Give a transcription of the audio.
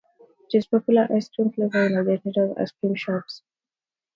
It is a popular ice cream flavour in Argentina's ice-cream shops.